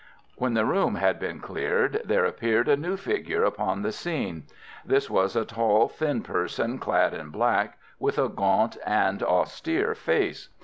When the room had been cleared there appeared a new figure upon the scene. This was a tall thin person clad in black, with a gaunt and austere face.